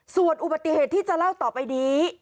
ส่วนอุบัติเหตุที่จะเล่าต่อไปนี้